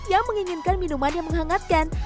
yang menginginkan minuman yang menghangatkan